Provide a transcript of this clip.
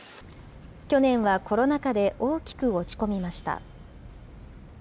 去年はコロナ禍で大きく落ち込みました。